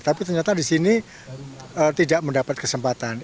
ternyata disini tidak mendapat kesempatan